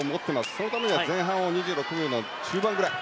そのためには前半を２６秒の中盤ぐらい。